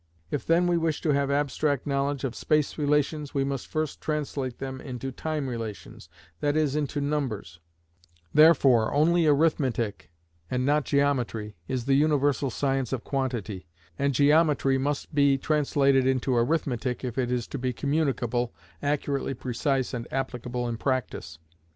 If then we wish to have abstract knowledge of space relations we must first translate them into time relations,—that is, into numbers; therefore only arithmetic, and not geometry, is the universal science of quantity, and geometry must be translated into arithmetic if it is to be communicable, accurately precise and applicable in practice.